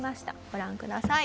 ご覧ください。